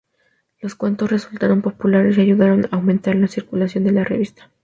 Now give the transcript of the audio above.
Las cuentos resultaron populares y ayudaron a aumentar la circulación de la revista.